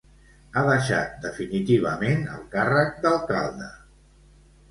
Ha deixat definitivament el càrrec d'alcalde.